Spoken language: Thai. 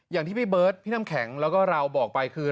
อย่างที่พี่เบิร์ดพี่น้ำแข็งแล้วก็เราบอกไปคือ